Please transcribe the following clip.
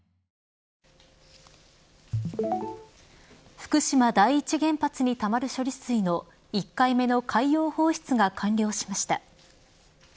福島第一原発にたまる処理水の１回目の海洋放出が完了しました。